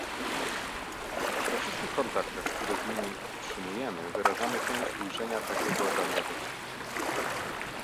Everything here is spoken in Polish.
We wszystkich kontaktach, które z nimi utrzymujemy, wyrażamy chęć ujrzenia takiego zaangażowania